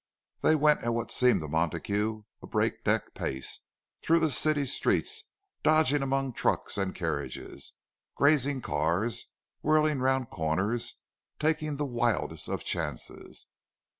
They went at what seemed to Montague a breakneck pace through the city streets, dodging among trucks and carriages, grazing cars, whirling round corners, taking the wildest of chances.